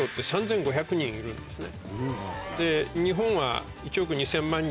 いるんですね。